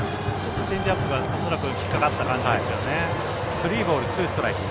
チェンジアップが恐らく引っ掛かったか何かですね。